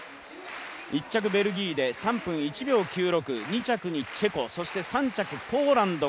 １着ベルギーで３分１秒９６，２着にチェコ、３着、ポーランド。